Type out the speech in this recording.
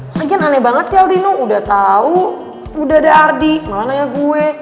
mungkin aneh banget sih aldino udah tahu udah ada ardi malah nanya gue